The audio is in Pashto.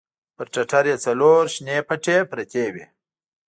پر ټټر يې څلور شنې پټې پرتې وې.